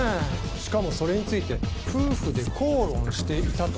しかもそれについて夫婦で口論していたと。